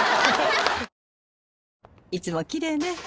いつもきれいね。